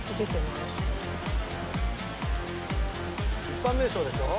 一般名称でしょ？